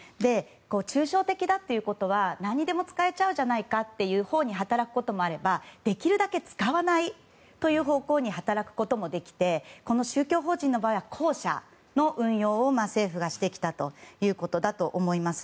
抽象的だということは何にでも使えちゃうじゃないかというほうに働くこともあればできるだけ使わないというほうに働くこともできてこの宗教法人の場合は後者の運用を政府がしてきたということだと思います。